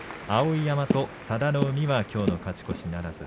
碧山と佐田の海はきょうの勝ち越しならず。